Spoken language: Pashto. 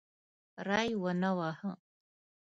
ری ونه واهه.